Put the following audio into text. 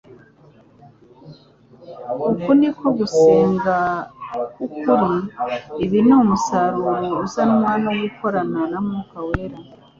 Uku ni ko gusenga kw’ukuri. Ibi ni umusaruro uzanwa no gukorana na Mwuka Wera.